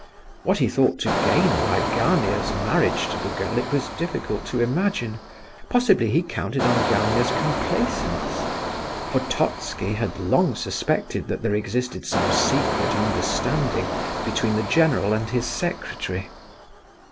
What he thought to gain by Gania's marriage to the girl it was difficult to imagine. Possibly he counted on Gania's complaisance; for Totski had long suspected that there existed some secret understanding between the general and his secretary.